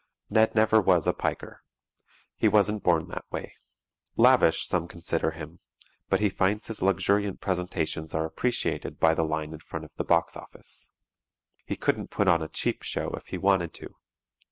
Ned never was a piker. He wasn't born that way. Lavish some consider him, but he finds his luxuriant presentations are appreciated by the line in front of the box office. He couldn't put on a "cheap" show if he wanted to.